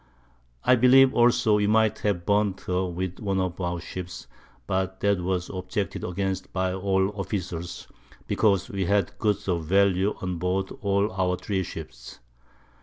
I believe also we might have burnt her with one of our Ships, but that was objected against by all the Officers, because we had Goods of Value on board all our 3 Ships.